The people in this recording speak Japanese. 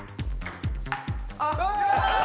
あっ。